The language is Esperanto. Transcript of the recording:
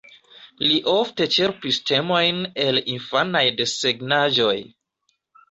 Li ofte ĉerpis temojn el infanaj desegnaĵoj.